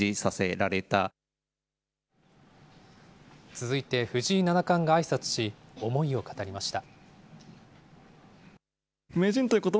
続いて藤井七冠があいさつし、思いを語りました。